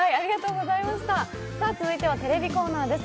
続いてはテレビコーナーです。